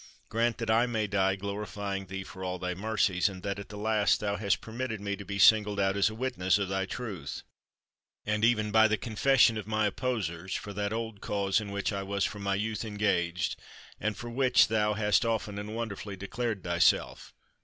Grant that I may die glorify ing Thee for all Thy mercies, and that at the last Thou hast permitted me to be singled out as a wit ness of Thy truth ; and even by the confession of my opposers, for that old cause in which I was from my youth engaged 1 and for which Thou hast often and wonderfully declared Thyself.